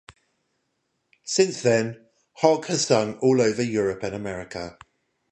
Since then, Hogg has sung all over Europe and America.